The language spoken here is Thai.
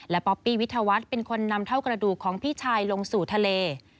ป๊อปปี้วิทยาวัฒน์เป็นคนนำเท่ากระดูกของพี่ชายลงสู่ทะเล